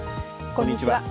こんにちは。